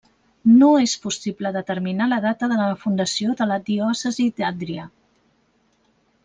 No és possible determinar la data de la fundació de la diòcesi d'Adria.